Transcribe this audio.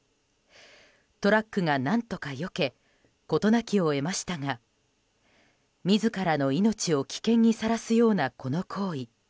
トラックが何とか、よけ事なきを得ましたが自らの命を危険にさらすようなこの行為。